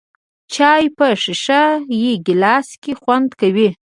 چای په ښیښه یې ګیلاس کې خوند کوي .